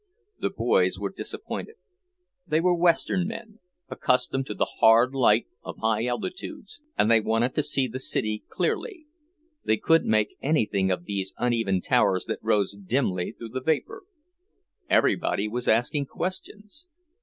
The boys were disappointed. They were Western men, accustomed to the hard light of high altitudes, and they wanted to see the city clearly; they couldn't make anything of these uneven towers that rose dimly through the vapour. Everybody was asking questions.